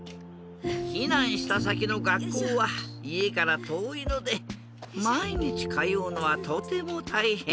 ひなんしたさきのがっこうはいえからとおいのでまいにちかようのはとてもたいへん。